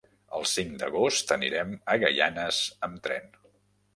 El cinc d'agost anirem a Gaianes amb tren.